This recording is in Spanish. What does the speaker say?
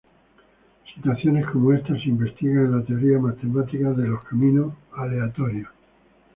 Situaciones como estas se investigan en la teoría matemática de los caminos aleatorios.